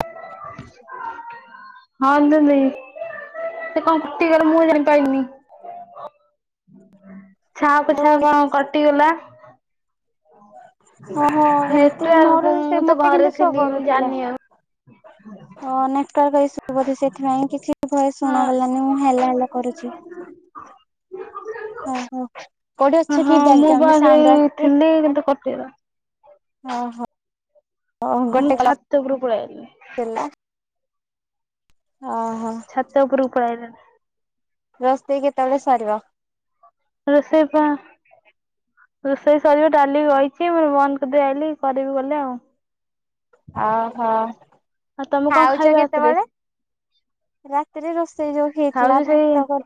[inaudible] ହଁ ଲୋ ଦେଇ ସେ କଣ ଫୁଟିଗଲା ମୁଁ ଜାଣି ପାଇଲିନି। ଛାଆ କୁ ଆଉ ଛାଆ କଣ କଟିଗଲା? ଓହୋ ଏମିତି ମୋର ନେଟୱାର୍କ ମୁଁ ତ ଘରେ ଥିଲି ଜାଣିନି ଆଉ। ହଁ ନେଟୱାର୍କ ଇସୁ ବୋଧେ, ସେଇଥିପାଇଁ କିଛି ବି ଭଏସ୍ ଶୁଣାଗଲା ମାନେ ମୁଁ ହାଲୋ ହାଲୋ କରୁଛି। ଓ ହୋ କୋଉଠି ହଁ ଅଛ ହଁ କି, ବ୍ୟାକ ମୁଁ ଗ୍ରାଉଣ୍ଡ ବା ରୁ ସେଇ ସାଉଣ୍ଡ ଆସୁଚି। ଥିଲି କିନ୍ତୁ କଟିଗଲା। ଓ ହୋ। ମୁଁ ଛାତ ଉପରକୁ ପଳାଇ ଆଇଲି। ହେଲା। ଅ ହ। ଛାତ ଉପରୁକୁ ପଳେଇ ଆଇଲିଣି। ରୋଷେଇ କେତେବେଳେ ସରିବ? ରୋଷେଇ ପା ରୋଷେଇ ସରିବ ଡାଲି ବଇଛି, ମୁଁ ବନ୍ଦ କରିଦେଇ ଆଇଲି କରଦେବି ଗଲେ ଆଉ। ଆ ହ। ଆଉ ତମେ କଣ ଖାଉଚ ଖାଇବ ରାତିରେ କେତେେଳେ, ରାତି ରେ ରୋଷେଇ ଯୋଉ ହେଇଥିଲା ଖାଉଚି ସେଇ ଭାତ କ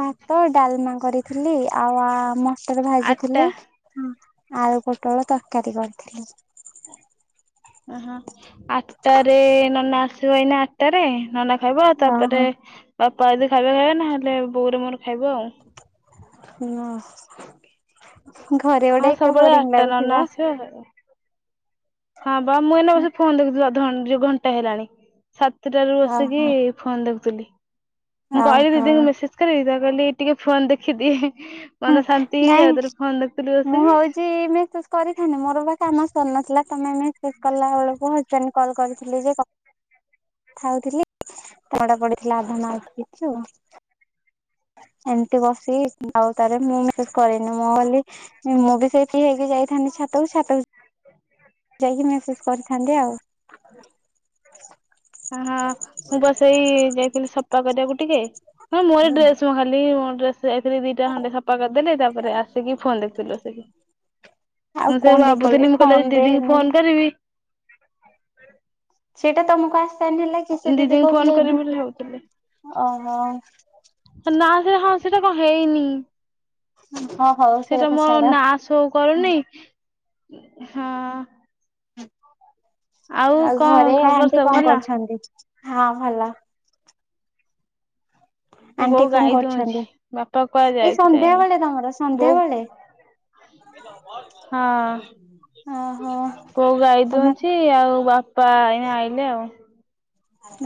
ଭାତ, ଡାଲମା କରିଥିଲି, ଆଉ ମଟର ଭାଜିଥିଲି। ଆଟା। ହଁ ଆଳୁ ପୋଟଳ ତରକାରୀ କରିଥିଲି। ଓହୋ ଆଟଟାରେ ନନା ଆସିବ ଏଇନା ଆଟଟାରେ ନନା ଖାଇବ, ତାପରେ ବାପା ଆଇଲେ ଖାଇବେ ଖାଇବେ ନ ହେଲେ ବୋଉ ର ମୋର ଖାଇବୁ ଆଉ। [unintelligible] ଘରେ ହଁ ଗୋଟେ ଏକା ସବୁବେଳେ ବୋରିଙ୍ଗ ଆଠଟା ଲାଗୁଥିବ। [unintelligible] ହଁ ବା ମୁଁ ଏଇନା ବସି ଫୋନ ଦେଖୁଥିଲି, ଅଧେଘନଂଟେ ଘନ୍ଟେ ହେଲାଣି, ସାତଟାରୁ ବସିକି ଓହୋ। ଫୋନ ଦେଖୁଥିଲି, ମୁଁ କହିଲି ଓହୋ। ଦିଦିଙ୍କୁ ମେସେଜ କରିବି, ତା ପରେ କହିଲି ଟିକେ ଫୋନ ଦେଖିଦିଏ। ହଁ ମନ ଶାନ୍ତି ହେଇଯାାଉ, ତାପରେ ଫୋନ ଦେଖୁଥିଲି ବସିକି। ଯେ ଏମି ମେସେଜ କରିଥାନ୍ତି, ମୋର ବା କାମ ସରିନଥିଲା ତମେ ମେସେଜ କଲାବେଳକୁ ହଜ୍ବେଣ୍ଟ କଲ କରିଥିଲିଯେ ଖାଉଥିଲି ତ [unintelligible] ପଡିଥିଲା ଆଧା ନା ଆଉ [unintelligible] ଏମିତି ବସିକି ଆଉ ତାର ମୁଁ ମେସେଜ କରିନି ମୁଁ ବୋଲି ମୁଁ ବି ସେଇ ଫ୍ରୀ ହେଇକି ଯାଇଥାନ୍ତିି ଛାତକୁ ଛାତ ଯାଇକି ମେସେଜ୍ କରିଥାନ୍ତି ଆଉ। ଆହା ମୁଁ ବା ସେଇ ଯାଇଥିଲି ସଫା କରିବାକୁ ଟିକେ ହଁ ମୁଁ ଡ୍ରେସ ମୋ ଖାଲି ମୋ ଡ୍ରେସ ଯାଇଥିଲି ଦିଟା ଖଣ୍ଡେ ସଫା କରିଦେଲି, ତାପରେ ଆସିକି ଫୋନ ଦେଖୁଥିଲି ବସିକି। ଆଉ ମୁଁ ସେ କଣ ଟିକେ କଲେ ଭାବୁଥିଲି, ମୁଁ କହିଲି ଫୋନ ଆଜି ରେ ଦିଦିଙ୍କୁ ଫୋନ କରିବି। ସେଇଟା ତମକୁ ଆସାଇନ୍ ହେଲା କି ସେ ଦିଦି ଦିଦିଙ୍କୁ ଫୋନ କହୁଥିଲେ କରିବି ବୋଲି ଇଭିନିଂ ଭାବୁଥିଲି। ରେ ଓହୋ। ନା ହଁ ସେଟା କଣ ହେଇନି? ହଁ ହଉ ସେ ସେଟା କଥା ମୋ ଛାଡ। ନାଁ ଶୋ କରୁନି, ହଁ। ଆଉ କଣ ଘରେ ଖବର ଆଣ୍ଟି ସବୁ କଣ ଭଲ? କରୁଛନ୍ତି, ହଁ ଭଲ। ବୋଉ ଆଣ୍ଟି କଣ ଗାଈ ଦୁହୁଁଛି, କରୁଛନ୍ତି? ବାପା କୁଆଡ଼େ ଏଇ ଯାଇଥିଲେ ସନ୍ଧ୍ୟା ଏଇନା, ବେଳେ ତମର ସନ୍ଧ୍ୟା ବୋଉ ବେଳେ ହଁ ଓହୋ କୋଉ ଗାଇ ତମେ ଦୁହୁଁଛି। ଆଉ ବାପା ଏଇନା ଆଇଲେ ଆଉ।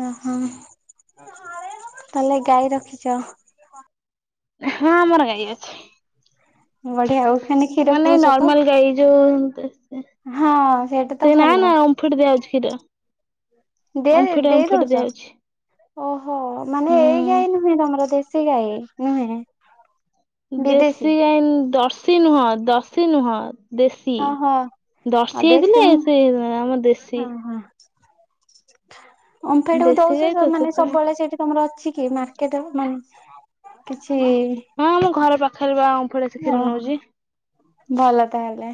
ଓହୋ ତାହଲେ ଗାଈ ରଖିଛ। ହଁ ଆମର ଗାଈ ଅଛି। ବଢିଆ ଆଉ ଖାଲି କ୍ଷୀର ମାନେ ପିଉଛ ତ? ନର୍ମାଲ ଗାଈ ଯୋଉ ହଁ ସେଇଟା ତ ଭଲ। ଫୁଡ ଦିଆ ହୋଉଛି କ୍ଷୀର। ଦିଆ ଓମ୍ଫେଡ ଦେଇ ଓମ୍ଫେଡ ଦଉଚ? ଦିଆହଉଛି ଓହୋ ମାନେ ଏଇ ଗାଈ ହୁଁ ନୁହେଁ ତମର ଦେଶୀ ଗାଈ ନୁହେଁ। ବିଦେଶୀ? ଦେଶୀ ଗାଈ ଦର୍ଶୀ ନୁହଁ ଦର୍ଶୀ ନୁହଁ। ଦେଶୀ ଓହୋ ଆଉ ଦର୍ଶୀ ଦେଶୀ ହେଇଥିଲେ ମୁଁ ସେ ଆମ ଦେଶୀ। ଓମ୍ଫେଡ କୁ ଦେଶୀ ଗାଈ ଦଉଛ ତ ମାନେ ସେଥିପାଇଁ ସବୁବେଳେ ସେଇଠି ତମର ଅଛି କି ମାର୍କେଟ ମାନେ କିଛି ହଁ ଆମ ଘର ପାଖରେ ବା ଓମ୍ଫେଡ ଆସି କ୍ଷୀର ନଉଛି ଓହୋ ଭଲ ତାହେଲେ।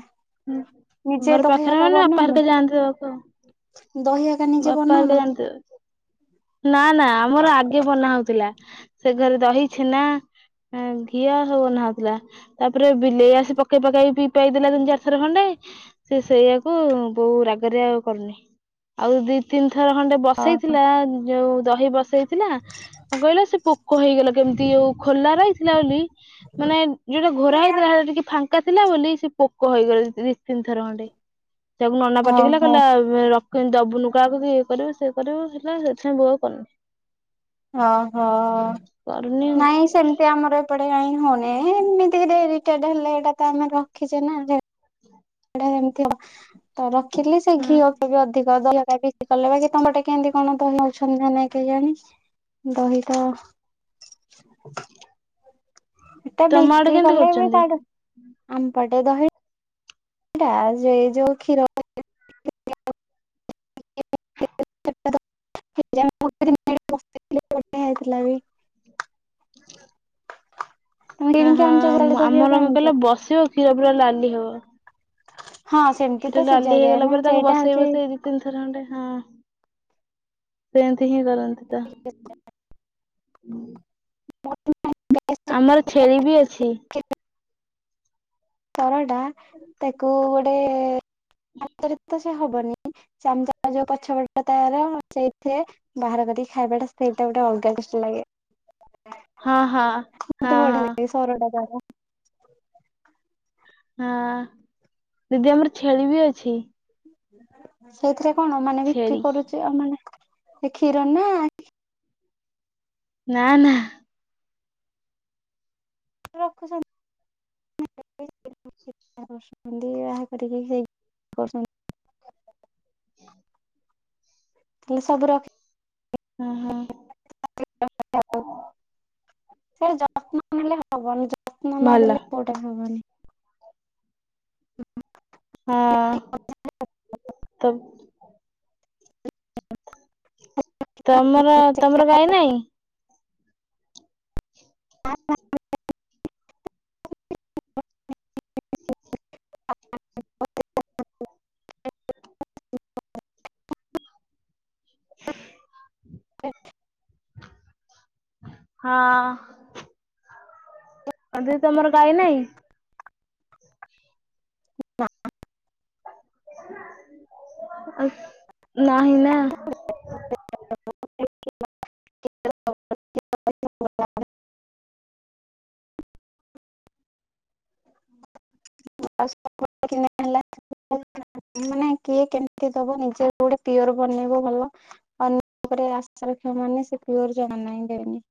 ହୁଁ ନିଜେ ଘର ଦହି ପାଖରେ ହକା ମାନେ ବାପା ବନଉନ ଘରିକା ଯାଆନ୍ତି ଦେବାକୁ ଆଉ। ଦହି ହକା ନିଜେ ବାପାର ଘରିକା ବନଉନ ଜାଆନ୍ତି ଦେବାକୁ ନା ନା ଆମର ଆଗେ ବନା ହଉଥିଲା ସେ ଘରେ ଦହି, ଛେନା ଘିଅ ହ ବନାଉଥିଲା ତାପରେ ବିଲେଇ ଆସି ପକେଇ ପକେଇ ପିଇ ପାଇଦେଲା ତିନି ଚାରି ଥର ଖଣ୍ଡେ ସେ ସେଇଆକୁ ବୋଉ ରାଗରେ ଆଉ କରୁନି। ଆଉ ଦି, ତିନି ଥର ଖଣ୍ଡେ ହଁ। ବସେଇଥିଲା ଯୋଉ ଦହି ବସେଇଥିଲା କହିଲା ସେ ପୋକ ହେଇଗଲା। କେମତି? ଉ ଖୋଲା ରହିଥିଲା ବୋଲି ମାନେ ଯୋଉଟା ଘୋରା ହେଇଥିଲାଡା ଟିକେ ଫାଙ୍କା ଥିଲା ବୋଲି ସେ ପୋ କହିଗଲେ ଦି ତିନି ଥର ଖଣ୍ଡେ ତାକୁ ନନା ପାଟିକଲା ଓହୋ କହିଲା ରଖୁନୁ ଦବୁନୁ କାହାକୁ କି ଇଏ କରିବୁ ସିଏ କରିବୁ ହେଲା ସେଥିପାଇଁ ବୋଉ ଆଉ କରୁନି। ଓହୋ କରୁନି ନାଇଁ ସେମିତି ଆମର ଏପଟେ କାଇ ହଉନି। ଏମିତିରେ ହେଲେ ଏଇଟା ତ ଆମେ ରଖିଛେ ନା। ସେଟା ସେମିତି ହବ ତ ରଖିଲି ସେ ହଁ ଘିଅ ବି ଅଧିକ ଦହା ବିକି କଲେ ବାକି ତମର ଟେ କେମିତି କଣ ତ ହଉଛନ୍ତି ନା ନାଇଁ କେଇ ଜାଣି। ଦହି ତ ଏତେ ତମ ଆଡେ ବିକ୍ରି କେମିତି କଲେ ଏ କରୁଛନ୍ତି? ତାଡ ଆମପଟେ ଦହି ଏଟା ସେ ଯୋଉ କ୍ଷୀର [inaudible] [inaudible] ଆଇ ଥିଲାବି [inaudible] ତମେ ହ କିଣିକି ହଁ ଆଣୁଛ ତାହେଲେ ଦହି ଆମର ହକା କଣ ଆଣୁଛ। କହିଲେ ବସିବ କ୍ଷୀର ପୁରା ଲାଲି ହବ। ହଁ ସେମିତି ତ କ୍ଷୀର ଲାଲି ସିଝାଯାଏ ହେଇଗଲା ନା ପରେ ତାକୁ ସେଇଟା ବସେଇ ହଉଛି ବସେଇ ତିନିଥର ଖଣ୍ଡେ, ହଁ ସେମିତି ହିଁ କରନ୍ତି ତ। ହ [inaudible] ଆମର ଛେଳି ବି ଅଛି। ତରଡା ତାକୁ ଗୋଟେ ଆନ୍ତରିତ ସେ ହବନି। ଚାମୁଚା ଚା ଯୋଉ ପଛ ପଟ ତାର ସେଇଥିରେ ବାହାର କରିକି ଖାଇବାଟା ସେଇଟା ଗୋଟେ ଅଲଗା ଟେଷ୍ଟ୍ ଲାଗେ। ହଁ ହଁ ହଁ ମୋତେ ବଢ଼ିଆ ହଁ। ଲାଗେ ସରଟା ତାର [inaudible] ହଁ ଦିଦି ଆମର ଛେଳି ବି ଅଛି। ସେଇଥିରେ କଣ ମାନେ ବିକ୍ରି ଛେଳି କରୁଛି ଆ ମାନେ କ୍ଷୀର ନା ନା, ନା। ରଖୁଛନ୍ତି କରୁଛନ୍ତି ବାହା କରିକି ସେଇ କରୁଛନ୍ତି ତାଲେ ସବୁ ରଖି ହୁଁ, ହୁଁ। [inaudible] ସେ ଯତ୍ନ ନଦେଲେ ହବନି ଯତ୍ନ ନ ଭଲ ଦେଲେ କୋଉଟା ହବନି। ହଁ ତବ୍ ତମର ତମର ଗାଈ ନାଇଁ? [inaudible] [inaudible] [inaudible] [inaudible] ହଁ। ଆଉ ଦି ତମର ଗାାଇ ନାହିଁ? [inaudible] ନାଆଁ ଆଉ ନାହିଁ ନା? [inaudible] ହବନି [unintelligible] ମାନେ କିଏ କେମିତି ଦବ ନିଜେ ଗୋଟେ ପିଓର ବନେଇବ ଭଲ। ଅନ୍ୟ ରାସ୍ ରକ୍ଷ ମାନେ ସେ ପିଓର ଜାଇ ଦେଇନି।